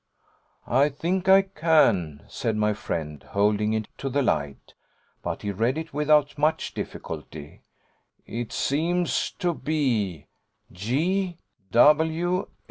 'I think I can,' said my friend, holding it to the light (but he read it without much difficulty); 'it seems to be G.W.